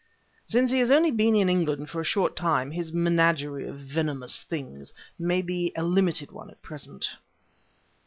"Since he has only been in England for a short time, his menagerie of venomous things may be a limited one at present."